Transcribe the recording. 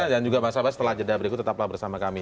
dan juga pak sabah setelah jeda berikut tetaplah bersama kami